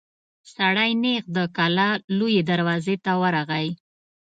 سړی نېغ د کلا لويي دروازې ته ورغی.